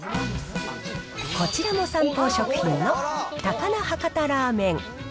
こちらもサンポー食品の高菜博多ラーメン。